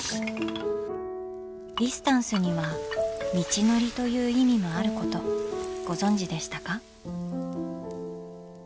「ディスタンス」には「道のり」という意味もあることご存じでしたか？